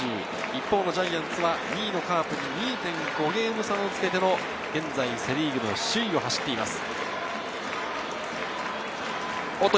一方のジャイアンツは２位のカープに２．５ゲーム差をつけての現在、セ・リーグ首位を走っています。